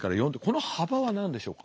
この幅は何でしょうか？